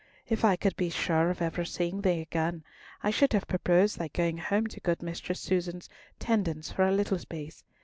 If I could be sure of ever seeing thee again, I should have proposed thy going home to good Mistress Susan's tendance for a little space.